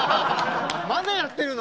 まだやってるの？